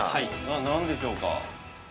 何でしょうか。